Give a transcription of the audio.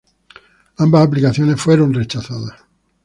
Ambas aplicaciones fueron rechazadas.